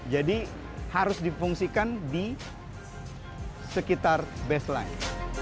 jadi harus difungsikan di sekitar baseline